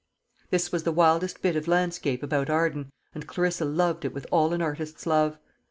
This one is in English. This was the wildest bit of landscape about Arden, and Clarissa loved it with all an artist's love.